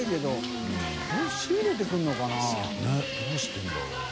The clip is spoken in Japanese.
福ねぇどうしてるんだろうな？